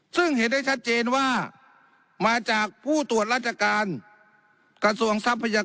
ซึ่งเห็นได้ชัดเจนว่ามาจากผู้ตรวจราชการกระทรวงทรัพยากร